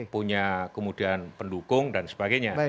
punya kemudian pendukung dan sebagainya